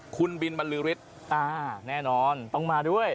คุณบินบรรลือฤทธิ์แน่นอนต้องมาด้วย